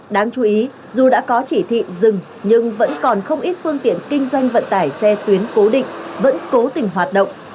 đáng chú ý dù đã có chỉ thị dừng nhưng vẫn còn không ít phương tiện kinh doanh vận tải xe tuyến cố định vẫn cố tình hoạt động